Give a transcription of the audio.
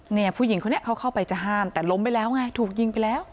เนี่ยผู้หญิงคนนี้เขาเข้าไปจะห้ามแต่ล้มไปแล้วไงถูกยิงไปแล้ว